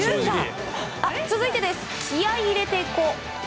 続いて、気合入れてこ！